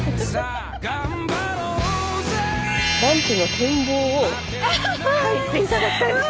ランチの展望を書いて頂きたいんですよ。